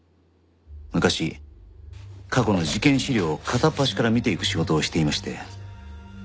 昔過去の事件資料を片っ端から見ていく仕事をしていまして。